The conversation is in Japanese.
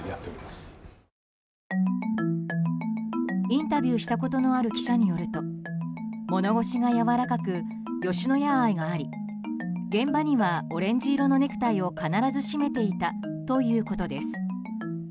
インタビューしたことのある記者によると物腰がやわらかく吉野家愛があり現場にはオレンジ色のネクタイを必ず締めていたということです。